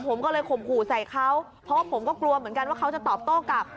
ผมก็เลยข่มขู่ใส่เขาเพราะผมก็กลัวเหมือนกันว่าเขาจะตอบโต้กลับ